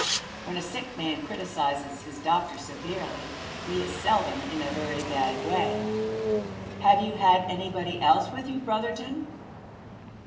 When a sick man criticises his doctor severely he is seldom in a very bad way. "Have you had anybody else with you, Brotherton?"